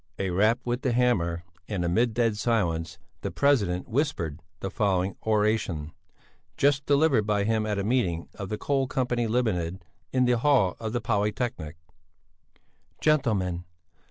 A rap with the hammer and amid dead silence the president whispered the following oration: just delivered by him at a meeting of the Coal Company Limited, in the hall of the Polytechnic. "Gentlemen!